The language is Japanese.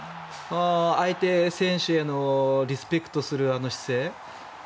相手選手へのリスペクトするあの姿勢。